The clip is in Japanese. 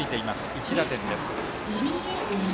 １打点です。